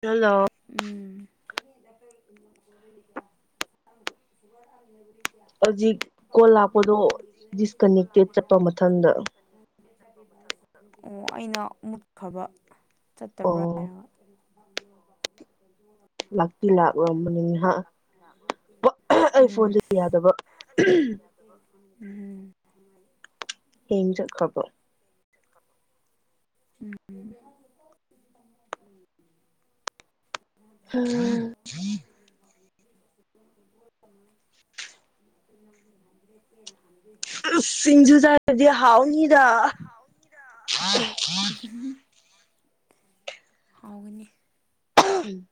hello [unintelligible] ꯎꯝ ꯍꯧꯖꯤꯛ call ꯂꯥꯛꯄꯗꯣ disconnected ꯆꯠꯄ ꯃꯊꯗ ꯑꯣ ꯑꯩꯅ ꯃꯨꯠꯈ꯭ꯔꯕ ꯆꯠꯇꯕ꯭ꯔꯥ ꯑꯣ ꯍꯥꯏꯔꯒ [unintelligible] ꯂꯥꯛ ꯂꯥꯛꯂꯝꯕꯅꯤ ꯉꯍꯥꯛ ꯑꯩ ꯎꯝ ꯐꯣꯟꯖꯦ ꯌꯥꯗꯕ ꯎꯝ ꯎꯝ ꯍꯦꯡ ꯆꯠꯈꯕꯣ ꯎꯝ ꯎꯝ ꯗꯦ ꯀꯦꯅꯥꯟꯕꯤ [unintelligible] ꯏꯁ ꯁꯤꯡꯟꯖꯨ ꯆꯔꯗꯤ ꯍꯥꯎꯅꯤꯗ ꯎꯝ ꯍꯥꯎꯒꯅꯤ ꯑꯍꯝ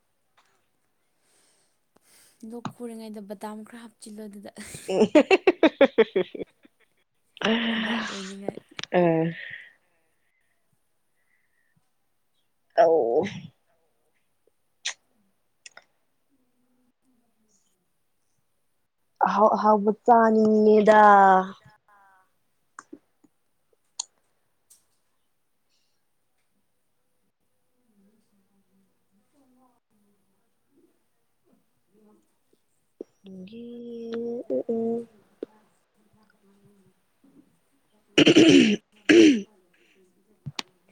ꯂꯣꯛ ꯈꯨꯔꯤꯉꯩꯗ ꯕꯗꯥꯝ ꯈꯔ ꯍꯥꯞꯆꯤꯜꯂꯣ ꯑꯗꯨꯗ ꯑꯁ ꯑꯦ ꯍꯥ ꯍꯤ ꯍꯤ ꯍꯤ ꯍꯤ ꯍꯤ ꯍꯤ ꯍꯤꯗꯥꯛ ꯑꯣꯏꯅꯤꯡꯉꯥꯏ ꯑꯥ ꯑꯧ ꯑꯍꯥꯎ ꯑꯍꯥꯎꯕ ꯆꯅꯤꯡꯉꯤꯗ ꯒꯤ ꯎ ꯎ ꯎꯝ [unintelligible]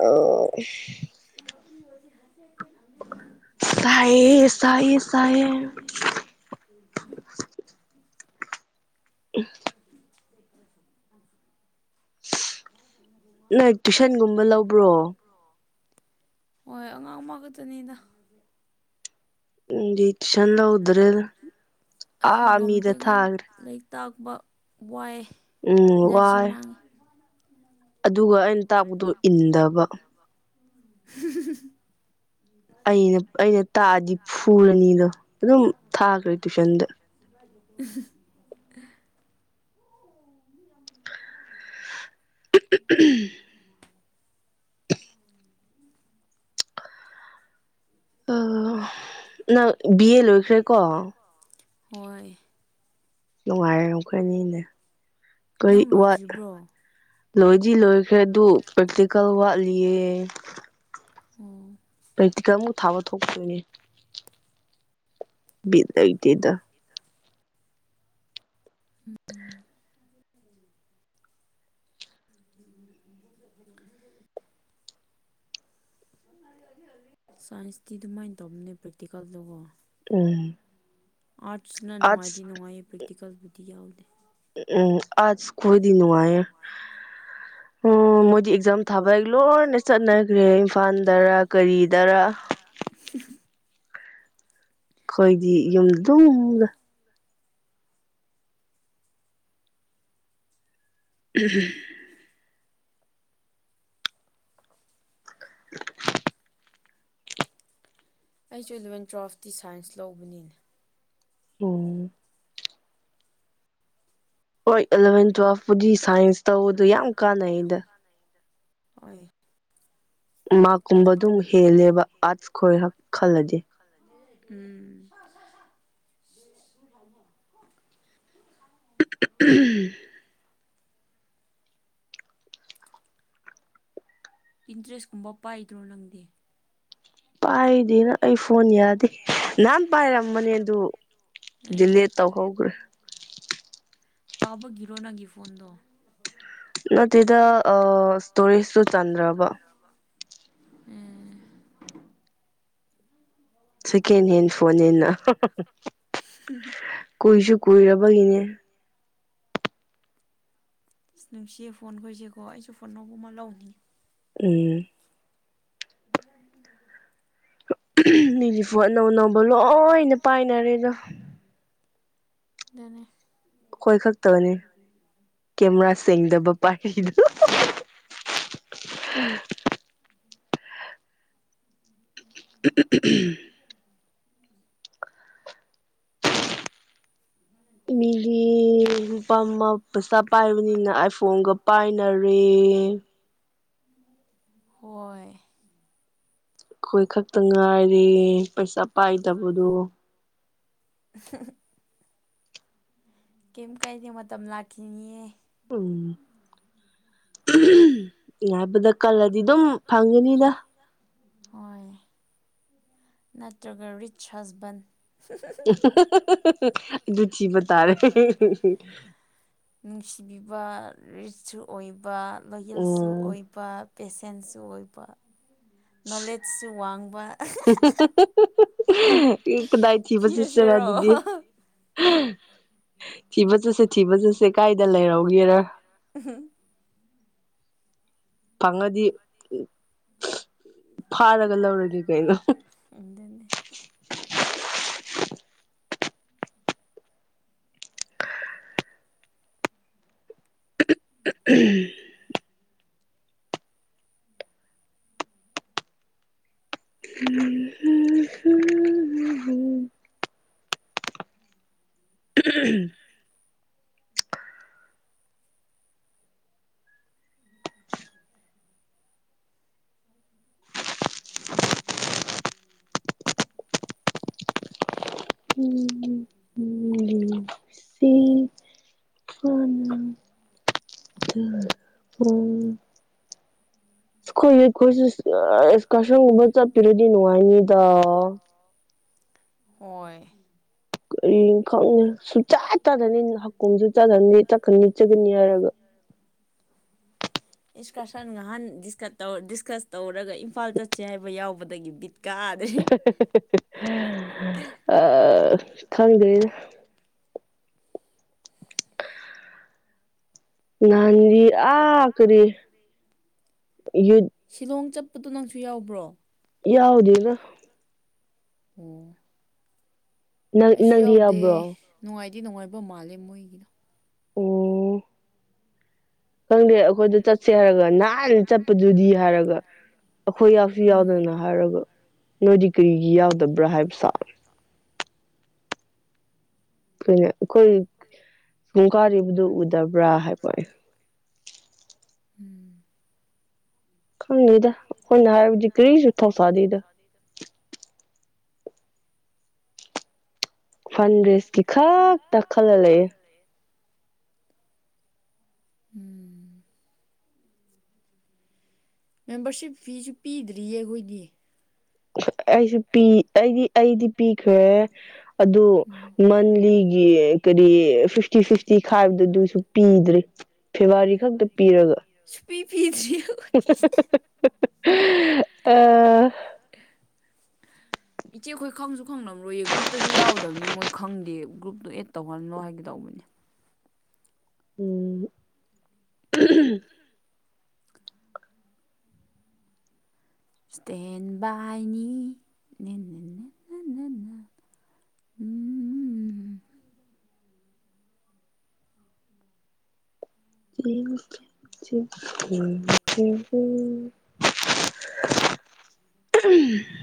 ꯑ [unintelligible] ꯆꯥꯏꯌꯦ ꯆꯥꯏꯌꯦ ꯆꯥꯏꯌꯦꯦ [unintelligible] ꯑꯦ ꯅꯪ ꯇꯨꯏꯁꯟꯒꯨꯝꯕ ꯂꯧꯕ꯭ꯔꯣ ꯍꯣꯏ ꯑꯉꯥꯡ ꯑꯃ ꯈꯛꯇꯅꯤꯗ ꯎꯗꯤ ꯇꯨꯏꯁꯟ ꯂꯧꯗ꯭ꯔꯦꯗ ꯑꯥ ꯉꯝꯗꯦ ꯃꯤꯗ ꯑꯉꯥꯡ ꯊꯥꯈ꯭ꯔꯦ ꯂꯥꯏꯔꯤꯛ ꯇꯥꯛꯄ ꯋꯥꯏ ꯎꯝ ꯏꯅꯔꯖꯤ ꯋꯥꯏ ꯃꯥꯡꯉꯤ ꯑꯗꯨꯒ ꯑꯩꯅ ꯇꯥꯛꯄꯗꯣ ꯏꯟꯗꯕ [unintelligible] ꯑꯩꯅ ꯑꯩꯅ ꯇꯥꯛꯑꯗꯤ ꯐꯨꯔꯅꯤꯗꯣ ꯑꯗꯨꯝ ꯊꯥꯈ꯭ꯔꯦ ꯇꯨꯏꯁꯟꯗ [unintelligible] ꯎꯝ ꯕ ꯅꯪ ꯕꯤ ꯑꯦ ꯂꯣꯏꯈ꯭ꯔꯦꯀꯣ ꯍꯣꯏ ꯅꯨꯡꯉꯥꯏꯔꯦ ꯑꯈꯣꯏꯅꯤꯅꯦ ꯀꯔꯤ ꯅꯪ ꯋꯥꯠ ꯂꯣꯏꯗ꯭ꯔꯤꯕ꯭ꯔꯣ ꯑꯣ ꯂꯣꯏꯗꯤ ꯂꯣꯏꯈ꯭ꯔꯦ ꯑꯗꯨ ꯄ꯭ꯔꯦꯛꯇꯤꯀꯦꯜ ꯋꯥꯠꯂꯤꯌꯦ ꯑꯣ ꯄ꯭ꯔꯦꯛꯇꯤꯀꯜ ꯑꯃꯨꯛ ꯊꯥꯕ ꯊꯣꯛꯇꯗꯣꯏꯅꯦ ꯕꯤꯠ ꯂꯩꯇꯦꯗ ꯏꯗ ꯎꯝ ꯁꯥꯏꯟꯁꯇꯤ ꯑꯗꯨꯃꯥꯏꯅ ꯇꯧꯕꯅꯦ ꯄ꯭ꯔꯦꯛꯇꯤꯀꯦꯜꯗꯨꯒꯣ ꯎꯝ ꯑꯥꯔꯠꯁꯅ ꯅꯨꯡꯉꯥꯏꯗꯤ ꯑꯥꯔꯠꯁ ꯅꯨꯡꯉꯥꯏꯌꯦ ꯄ꯭ꯔꯦꯛꯇꯤꯀꯦꯜꯕꯨꯗꯤ ꯌꯥꯎꯗꯦ ꯎꯝ ꯑꯥꯔꯠꯁ ꯀꯣꯏꯗꯤ ꯅꯨꯉꯥꯏꯑꯦ ꯎꯝ ꯑꯦꯛꯖꯥꯝ ꯊꯥꯕꯩ ꯂꯣꯏꯅ ꯆꯠꯅꯈ꯭ꯔꯦ ꯏꯝꯐꯥꯜꯗꯔ ꯀꯔꯤꯗꯔ [unintelligible] ꯑꯩꯈꯣꯏꯗꯤ ꯌꯨꯝꯗꯨꯗ ꯎꯝ ꯎ ꯑꯩꯁꯨ ꯑꯦꯂꯕꯦꯟ ꯇꯨꯋꯦꯜꯐꯇꯤ ꯁꯥꯏꯟꯁ ꯂꯧꯕꯅꯤꯅꯦ ꯎꯝ ꯍꯣꯏ ꯑꯦꯂꯚꯦꯟ ꯇꯨꯋꯦꯜꯐꯄꯨꯗꯤ ꯁꯥꯏꯟꯁ ꯇꯧꯕꯗꯣ ꯌꯥꯝ ꯀꯥꯟꯅꯩꯗ ꯑꯣꯏ ꯃꯥꯀꯨꯝꯕ ꯑꯗꯨꯝ ꯍꯦꯜꯂꯦꯕ ꯑꯥꯔꯠꯁ ꯈꯣꯏ ꯍꯛ ꯈꯜꯂꯗꯤ ꯎꯝ ꯎꯝ ꯄꯟꯇ꯭ꯔꯦꯁ ꯀꯨꯝꯕ ꯄꯥꯏꯗ꯭ꯔꯣ ꯅꯪꯗꯦ ꯄꯥꯏꯗꯅ ꯑꯩ ꯐꯣꯟ ꯌꯥꯗꯦ ꯅꯍꯥꯟ ꯄꯥꯏꯔꯝꯕꯅꯦ ꯑꯗꯨ ꯑꯦ ꯗꯤꯂꯦ ꯇꯧꯍꯧꯈ꯭ꯔꯦ ꯇꯥꯕꯒꯤꯔꯣ ꯅꯒꯤ ꯐꯣꯟꯗꯣ ꯊꯃꯨ ꯅꯠꯇꯦꯗ ꯑ ꯏꯁꯇꯣꯔꯤꯁꯁꯨ ꯆꯟꯗ꯭ꯔꯕ ꯎꯝ [unintelligible] ꯁꯦꯀꯦꯟ ꯍꯦꯟ ꯐꯣꯟꯅꯦꯅ ꯀꯨꯏꯁꯨ ꯀꯨꯏꯔꯕꯒꯤꯅꯦ ꯑꯁ ꯅꯨꯡꯁꯤꯌꯦ ꯐꯣꯟ ꯈꯣꯏꯁꯦꯀꯣ ꯑꯩꯁꯨ ꯐꯣꯟ ꯑꯧꯕ ꯑꯃ ꯂꯧꯅꯤꯡꯉꯤ ꯎꯝ ꯎ ꯂꯤꯅꯤ ꯐꯨ ꯑꯅꯧ ꯑꯅꯧꯕ ꯂꯣꯏꯅ ꯄꯥꯏꯅꯔꯦ ꯑꯗꯣ ꯑ ꯑꯗꯨꯅꯦ ꯑꯩꯈꯣꯏ ꯈꯛꯇꯕꯅꯤ ꯀꯦꯃꯦꯔꯥ ꯁꯦꯡꯗꯕ ꯄꯥꯏꯔꯤꯗꯣ ꯎꯝ [unintelligible] ꯃꯤꯂꯤ ꯂꯨꯄꯥ ꯑꯃ ꯄꯩꯆꯥꯥ ꯄꯥꯏꯕꯅꯤꯅ ꯑꯥꯏꯐꯣꯟꯒ ꯄꯥꯏꯅꯔꯦ ꯍꯣꯏ ꯑꯩꯈꯣꯏ ꯈꯛꯇ ꯉꯥꯏꯔꯤ ꯄꯩꯁꯥ ꯄꯥꯏꯗꯕꯗꯣ ꯀꯩ ꯀꯥꯏꯗꯦ ꯃꯇꯝ ꯂꯥꯛꯈꯤꯅꯤꯌꯦ ꯎꯝ ꯍꯥꯏꯕꯗ ꯀꯜꯂꯗꯤ ꯑꯗꯨꯝ ꯐꯪꯒꯅꯤꯗ ꯍꯣꯏ ꯅꯠꯇ꯭ꯔꯒ ꯔꯤꯆ ꯍꯁꯕꯟ ꯑꯗꯨ ꯊꯤꯕ ꯇꯥꯔꯦ ꯅꯨꯡꯁꯤꯕꯤꯕ ꯔꯤꯁꯁꯨ ꯑꯣꯏꯕ ꯋꯥꯌꯦꯜꯁꯨ ꯎꯝ ꯑꯣꯏꯕ ꯄꯦꯁꯦꯟꯁꯨ ꯑꯣꯏꯕ ꯅꯣꯂꯦꯖꯁꯨ ꯋꯥꯡꯕ ꯀꯗꯥꯏ ꯊꯤꯕ ꯆꯠꯁꯔ ꯊꯤꯔꯁꯤꯔꯣ ꯑꯗꯨꯗꯤ ꯊꯤꯕ ꯆꯠꯁꯦ ꯊꯤꯕ ꯆꯠꯁꯦ ꯀꯥꯏꯗ ꯂꯩꯔꯛꯒꯦꯔ ꯎ ꯐꯪꯉꯗꯤ ꯐꯥꯔꯒ ꯂꯧꯔꯒꯦ ꯀꯩꯅꯣ ꯎꯗꯅꯤ [unintelligible] [unintelligible] ꯎꯝ ꯎꯝ ꯎꯝ ꯎꯝ ꯎꯝ ꯁꯤ ꯎꯝ ꯈꯣꯏꯈꯣꯏꯁꯨ ꯑꯦꯀꯁꯟꯒꯨꯝꯕ ꯆꯠꯄꯤꯔꯗꯤ ꯅꯨꯡꯉꯥꯏꯅꯤꯗ ꯑꯣꯏꯣꯏ ꯑꯩ ꯈꯪꯉ ꯁꯨꯡꯆꯥꯥ ꯆꯥꯗꯅꯤ ꯍꯀꯣꯡꯁꯨ ꯆꯥꯗꯅꯤ ꯆꯠꯀ ꯂꯤꯠꯆꯒꯅꯤ ꯍꯥꯏꯔꯒ ꯑꯦꯟꯁꯀꯔꯁꯟ ꯉꯍꯥꯟ ꯗꯤꯁꯀꯠ ꯇꯧ ꯗꯤꯁꯀꯁ ꯇꯧꯔꯒ ꯏꯝꯐꯥꯜ ꯆꯠꯁꯦ ꯍꯥꯏꯕ ꯌꯥꯎꯕꯗꯒꯤ ꯕꯤꯠ ꯀꯥꯗ꯭ꯔꯦ ꯑ ꯊꯥꯡꯖꯦ ꯒꯤ ꯑ ꯀꯔꯤ ꯌ ꯁꯤꯂꯣꯡ ꯆꯠꯄꯗꯣ ꯅꯪꯁꯨ ꯌꯥꯎꯕ꯭ꯔꯣ ꯌꯥꯎꯗꯦꯗ ꯑꯣ ꯅꯪ ꯑꯩꯁꯨ ꯅꯪꯗꯤ ꯌꯥꯎꯗꯦ ꯌꯥꯎꯕ꯭ꯔꯣ ꯅꯨꯡꯉꯥꯏꯗꯤ ꯅꯨꯡꯉꯥꯏꯕ ꯃꯥꯜꯂꯦ ꯃꯣꯏꯒꯤꯗꯣ ꯑꯣ ꯈꯪꯗꯦ ꯑꯩꯈꯣꯏꯗ ꯆꯠꯁꯦ ꯍꯥꯏꯔꯒ ꯅꯥꯅ ꯆꯠꯄꯗꯨꯗꯤ ꯍꯥꯏꯔꯒ ꯑꯩꯈꯣꯏ ꯌꯥꯁꯨ ꯎꯝ ꯌꯥꯎꯗꯅ ꯍꯥꯏꯔꯒ ꯅꯣꯏꯗꯤ ꯀꯔꯤꯒꯤ ꯌꯥꯎꯗ ꯌꯥꯎꯗꯕ꯭ꯔꯥ ꯍꯥꯏꯕ ꯄꯥꯝ ꯑꯩꯈꯣꯏꯅꯦ ꯑꯩꯈꯣꯏ ꯁꯨꯡ ꯀꯥꯔꯤꯕꯗꯨ ꯎꯗꯕ꯭ꯔꯥ ꯍꯥꯏꯕꯅꯦ ꯎꯝ ꯈꯪꯗꯗ ꯑꯩꯈꯣꯏꯅ ꯍꯥꯏꯕꯗꯤ ꯀꯔꯤꯁꯨ ꯊꯧꯁꯥꯗꯗ ꯑꯗ ꯐꯟꯗ꯭ꯔꯦꯁꯀꯤ ꯈꯛꯇꯛꯇꯈꯜꯂ ꯂꯩꯦ ꯎꯝ ꯃꯦꯝꯕꯔꯁꯤꯞ ꯐꯤꯁꯨ ꯄꯤꯗ꯭ꯔꯤꯌꯦ ꯑꯩꯈꯣꯏꯗꯤ ꯑꯩꯁꯨ ꯄꯤ ꯑꯩꯗꯤ ꯑꯩꯗꯤ ꯄꯤꯈ꯭ꯔꯦ ꯑꯗꯨ ꯎꯝ ꯃꯟꯂꯤꯒꯤ ꯀꯔꯤ ꯐꯤꯇꯤ ꯐꯤꯐꯇꯤ ꯐꯥꯏꯚꯁꯨ ꯄꯤꯗ꯭ꯔꯔꯤ ꯄꯤꯤ ꯄꯤꯁꯤ [unintelligible] ꯑ ꯑ ꯏꯆꯦ ꯑꯩꯈꯣꯏ ꯈꯪꯁꯨ ꯈꯪꯂꯝꯔꯣꯏꯌꯦ ꯒ꯭ꯔꯨꯞꯇꯁꯨ ꯌꯥꯎꯗꯕꯅꯤ ꯃꯣꯏ ꯈꯪꯗꯦ ꯒ꯭ꯔꯨꯞꯇꯨ ꯑꯦꯠ ꯇꯧꯍꯜꯂꯣ ꯍꯥꯏꯒꯦ ꯇꯧꯕꯅꯦ ꯎꯝ ꯁꯇꯦꯟꯕꯥꯏꯅꯤ ꯎꯝ [unintelligible] ꯎ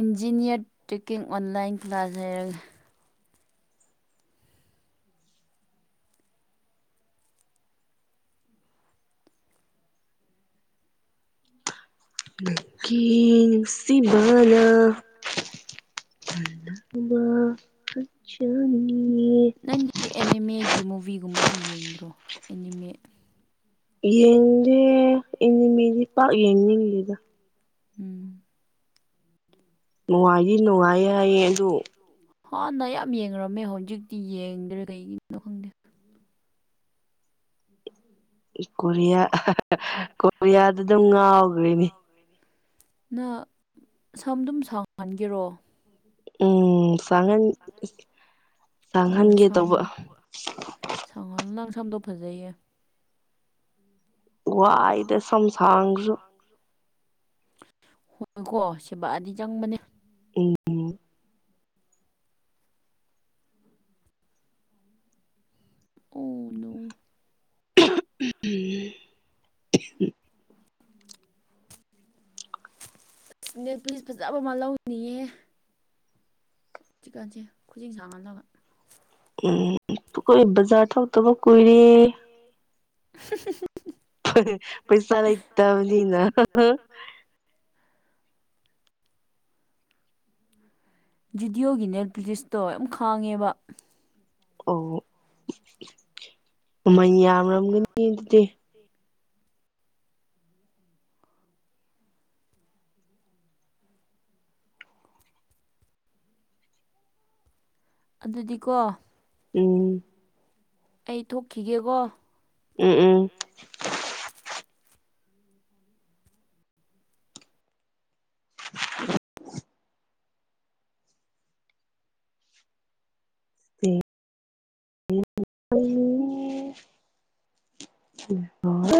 ꯏꯟꯖꯤꯅꯤꯌꯥꯔ ꯇꯦꯛꯀꯤꯡ ꯑꯣꯟꯂꯥꯏꯟ ꯀ꯭ꯂꯥꯁ ꯍꯥꯏꯔꯒ ꯀ ꯁꯤꯕꯥꯂ ꯅꯤ ꯅꯪꯗꯤ ꯑꯦꯅꯤꯃꯦꯒꯤ ꯃꯨꯚꯤꯒꯨꯝꯕꯗꯤ ꯌꯦꯡꯗ꯭ꯔꯣ ꯑꯦꯅꯤꯃꯦ ꯌꯦꯡꯗꯦ ꯏꯅꯦꯃꯤꯗꯤ ꯄꯥꯛ ꯌꯦꯡꯅꯤꯡꯗꯦꯗ ꯎꯝ ꯅꯨꯡꯉꯥꯏꯔꯤ ꯅꯨꯡꯉꯥꯏꯌꯦ ꯍꯥꯏꯌꯦ ꯑꯗꯨ ꯍꯥꯟꯅ ꯌꯥꯝ ꯌꯦꯡꯅꯨꯔꯝꯃꯦ ꯍꯧꯖꯤꯛꯇꯤ ꯌꯦꯡꯗ꯭ꯔꯦ ꯀꯩꯒꯤꯅꯣ ꯈꯪꯗꯦ ꯎꯝ ꯀꯣꯔꯤꯌꯥ ꯀꯣꯔꯤꯌꯥꯗ ꯑꯗꯨꯝ ꯉꯥꯎꯈ꯭ꯔꯦꯅꯦ ꯅꯪ ꯁꯝ ꯑꯗꯨꯝ ꯁꯪꯍꯟꯒꯦꯔꯣ ꯥꯡꯍꯟ ꯆꯥꯡꯍꯟꯒꯦ ꯇꯧꯕ ꯁꯪꯍꯜꯂ ꯅꯪ ꯁꯝꯗꯣꯛ ꯐꯖꯩꯌꯦ ꯋꯥꯏꯗ ꯁꯁꯁꯨ ꯍꯣꯏꯀꯣ ꯁꯦꯕꯥꯑꯗꯤ ꯆꯪꯕꯅꯦ ꯎꯝ [unintelligible] ꯑꯣꯅ ꯎꯝ ꯑꯅꯦ ꯄꯨꯂꯤꯁ ꯐꯖꯕ ꯑꯃ ꯂꯧꯅꯤꯡꯌꯦ ꯆꯤꯛꯀꯟꯁꯦ ꯈꯨꯖꯤꯡ ꯁꯥꯡꯍꯜꯂꯒ ꯎꯝ ꯀꯣꯏ ꯕꯖꯥ ꯊꯥꯎ ꯇꯕ ꯀꯨꯏꯔꯦ ꯁ ꯄꯩꯁꯥ ꯂꯩ ꯇꯕꯅ ꯚꯗꯤꯑꯣꯒꯤꯅꯦꯠ ꯂꯤꯁꯇꯣ ꯌꯥꯝ ꯈꯥꯡꯉꯦꯕ ꯑꯣ ꯃꯃꯜ ꯌꯥꯝꯔꯝꯒꯅꯤ ꯑꯗꯨꯗꯤ ꯑꯩ ꯑꯗꯨꯗꯤꯀꯣ ꯎꯝ ꯑꯩ ꯊꯣꯛꯈꯤꯒꯦꯀꯣ ꯎꯝ ꯎꯝ [inaudible] [inaudible] ꯍ